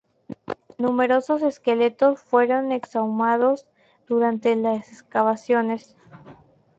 Numerosos esqueletos fueron exhumados durante las excavaciones.